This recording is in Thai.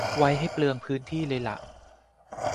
ไว้ให้เปลืองพื้นที่เลยล่ะ